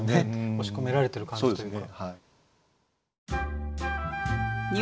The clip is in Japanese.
押し込められてる感じというか。